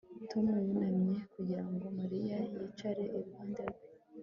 Tom yunamye kugira ngo Mariya yicare iruhande rwe